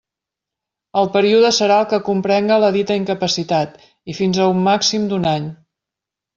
El període serà el que comprenga la dita incapacitat i fins a un màxim d'un any.